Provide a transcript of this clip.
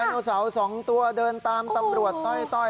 โนเสาร์๒ตัวเดินตามตำรวจต้อย